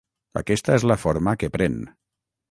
Aquesta és la forma que pren.